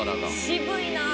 渋いなあ。